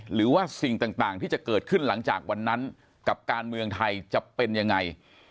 หรือว่าสิ่งต่างที่จะเกิดขึ้นหลังจากวันนั้นกับการเมืองไทยจะเป็นยังไง